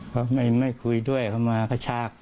เขาไม่คุยด้วยเขามากระชาก